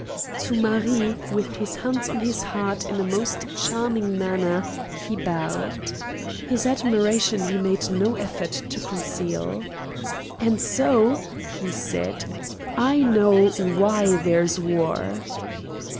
To Marie, with his hand on his heart in a most charming manner, he bowed. His admiration he made no effort to conceal. "And so," he said, "I know why there is war!"